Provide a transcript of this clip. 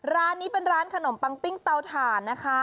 ร้านนี้เป็นร้านขนมปังปิ้งเตาถ่านนะคะ